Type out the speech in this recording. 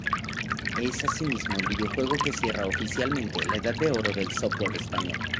Es asimismo el videojuego que cierra oficialmente la edad de oro del software español.